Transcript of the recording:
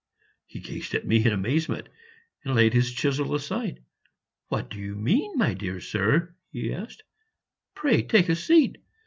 He gazed at me in amazement, and laid his chisel aside. "What do you mean, my dear sir?" he asked; "pray take a seat."